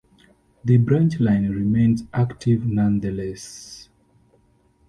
The branch line remains active nonetheless.